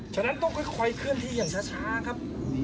ฉะนั้นต้องค่อยเคลื่อนที่อย่างช้าครับ